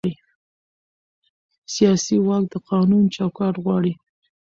سیاسي واک د قانون چوکاټ غواړي